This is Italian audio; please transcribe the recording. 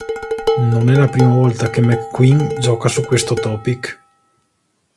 Non è la prima volta che McQueen gioca su questo topic.